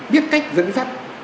biết cách dẫn dắt